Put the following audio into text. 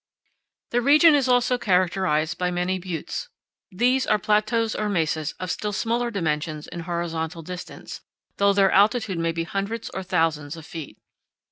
The region is also characterized by many buttes. These are plateaus or mesas of still smaller dimensions in horizontal distance, though their altitude may be hundreds or thousands of feet.